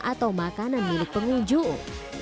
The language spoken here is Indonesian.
atau makanan milik pengunjung